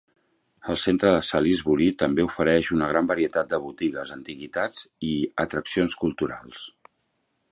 El centre de Salisbury també ofereix una gran varietat de botigues, antiguitats i atraccions culturals.